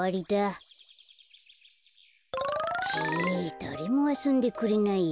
だれもあそんでくれないや。